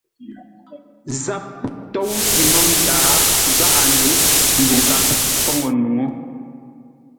Záp tóusʉ mə̂m-taa, záʼa-ndě ndu ghap poŋə́ nuŋú.